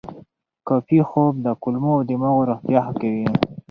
کافي خوب د کولمو او دماغ روغتیا ښه کوي.